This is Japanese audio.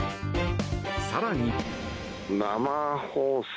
更に。